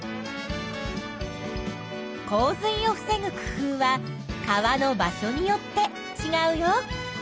洪水を防ぐ工夫は川の場所によってちがうよ。